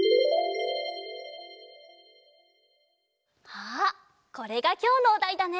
あっこれがきょうのおだいだね。